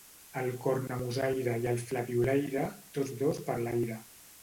El cornamusaire i el flabiolaire, tots dos per l'aire.